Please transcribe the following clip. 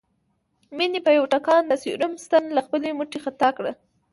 مينې په يوه ټکان د سيروم ستن له خپلې مټې خطا کړه